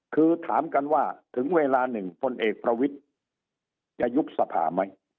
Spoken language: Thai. คือถามกันว่าถึงเวลาหนึ่งพลเอกประวิทธิ์จะยุบสภาไหม